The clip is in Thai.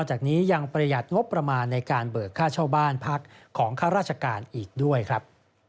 จากนี้ยังประหยัดงบประมาณในการเบิกค่าเช่าบ้านพักของข้าราชการอีกด้วยครับ